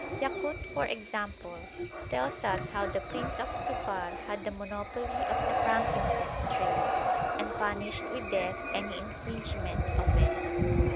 Yakut, for example, tells us how the Prince of Zufar had the monopoly of the frankincense trade, and punished with death any infringement of it.